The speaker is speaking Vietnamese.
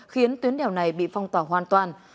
khiến tuyến đèo này bị phong tỏa hoàn toàn